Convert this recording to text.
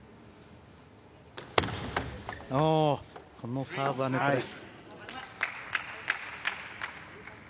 このサーブはネットです。